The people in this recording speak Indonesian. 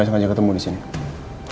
sengaja ketemu di sini